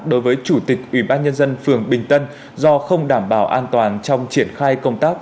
đối với chủ tịch ủy ban nhân dân phường bình tân do không đảm bảo an toàn trong triển khai công tác